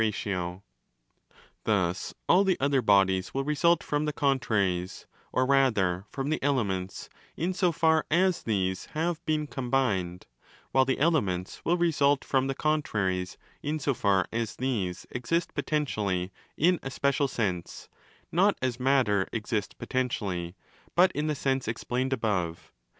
F 2 σι " δ 334° ΓΕ GENERATIONE ET CORRUPTIONE Thus all the other bodies will result from the contraries, or rather from the 'elements' , in so far as these have been 'combined': while the 'elements' will result from the con traries, in so far as these 'exist potentially' in a special sense—not as matter ' exists potentially ', but in the sense explained above.